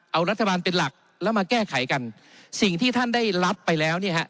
เอารัฐบาลเป็นหลักแล้วมาแก้ไขกันสิ่งที่ท่านได้รับไปแล้วเนี่ยฮะ